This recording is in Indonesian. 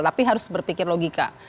tapi harus berpikir logika